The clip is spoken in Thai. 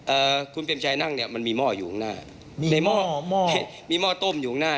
เอ่อคุณเปรมชัยนั่งเนี้ยมันมีหม้ออยู่ข้างหน้ามีในหม้อหม้อเนี้ยมีหม้อต้มอยู่ข้างหน้า